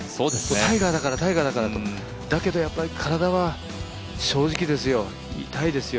タイガーだからタイガーだからとだけどやっぱり体は正直ですよ、痛いですよ。